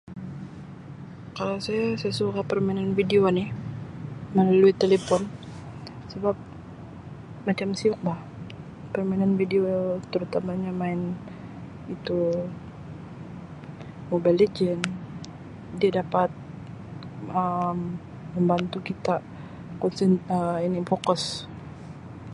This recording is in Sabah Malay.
Kalau saya, saya suka permainan video ni melalui talipon sebab macam siuk bah permainan video terutamanya main itu mobile legend, dia dapat Um membantu kita concent- Um ini fokus.